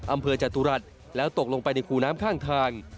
อำเภอจตุรัสแล้วตกลงไปในขู่น้ำข้างทาง